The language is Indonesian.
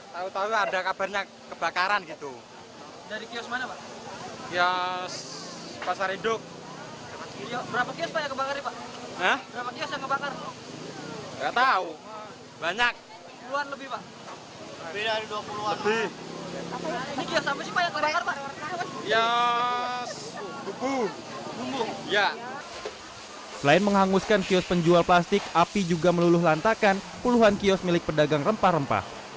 selain menghanguskan kios penjual plastik api juga meluluh lantakan puluhan kios milik pedagang rempah rempah